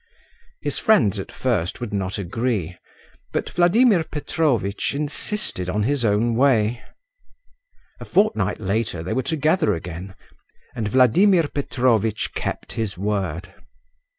His friends at first would not agree, but Vladimir Petrovitch insisted on his own way. A fortnight later they were together again, and Vladimir Petrovitch kept his word.